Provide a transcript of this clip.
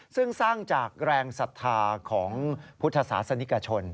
ซึ่งสร้างจากแรงศรัทธาของพุทธศาสนิกชน